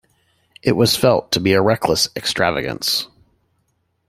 It was felt to be a reckless extravagance.